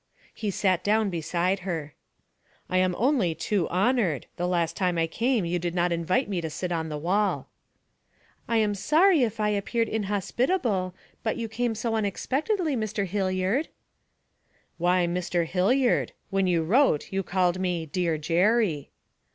He sat down beside her. 'I am only too honoured; the last time I came you did not invite me to sit on the wall.' 'I am sorry if I appeared inhospitable, but you came so unexpectedly, Mr. Hilliard.' 'Why "Mr. Hilliard"? When you wrote you called me "dear Jerry."'